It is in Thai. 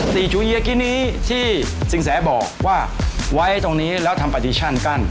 จูเยียกินี้ที่สินแสบอกว่าไว้ตรงนี้แล้วทำปาดิชั่นกั้น